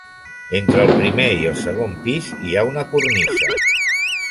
Entre el primer i el segon pis hi ha una cornisa.